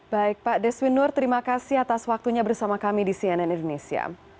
baik pak deswin nur terima kasih atas waktunya bersama kami di cnn indonesia